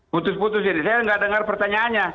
putus putus jadi saya nggak dengar pertanyaannya